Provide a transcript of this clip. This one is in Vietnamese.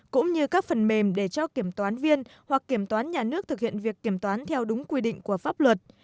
cũng như các phần mềm để cho kiểm toán viên hoặc kiểm toán nhà nước thực hiện việc kiểm toán theo đúng quy định của pháp luật